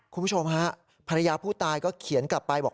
คุณผู้ชมฮะภรรยาผู้ตายก็เขียนกลับไปบอก